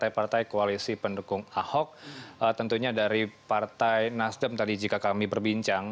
partai partai koalisi pendukung ahok tentunya dari partai nasdem tadi jika kami berbincang